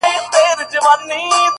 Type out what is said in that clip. كله توري سي”